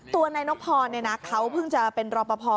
ตัวนายนกพรเขาเพิ่งจะเป็นรอปภ